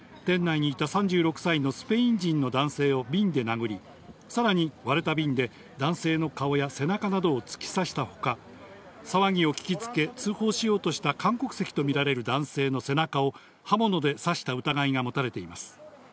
警察によりますと安原容疑者は２０日午後５時前、大阪市中央区高津の飲食店に入って間もなく、店内にいた３６歳のスペイン人の男性を瓶で殴り、さらに割れた瓶で男性の顔や背中などを突き刺したほか、騒ぎを聞きつけ、通報しようとした韓国籍とみられる男性の背中を刃物で刺した疑いが持たれています。